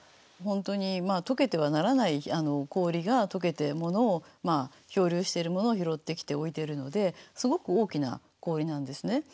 本当にまあ解けてはならない氷が解けて漂流しているものを拾ってきて置いているのですごく大きな氷なんですね。